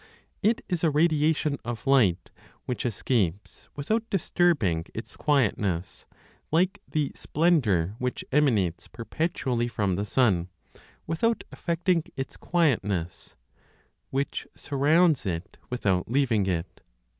It is a radiation of light which escapes without disturbing its quietness, like the splendor which emanates perpetually from the sun, without affecting its quietness, which surrounds it without leaving it.